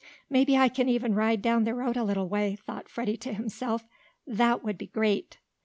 "Maybe I can even ride down the road a little way," thought Freddie to himself. "That would be great."